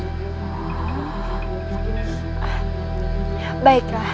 apalagi kami semua perempuan makhluk yang lemah